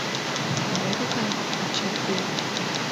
— Мо тугай? — ача ӧрӧ.